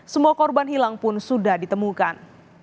semua korban hilang pun sudah ditemukan